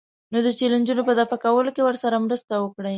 نو د چیلنجونو په دفع کولو کې ورسره مرسته وکړئ.